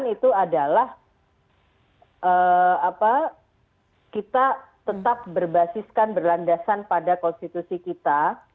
itu adalah kita tetap berbasiskan berlandasan pada konstitusi kita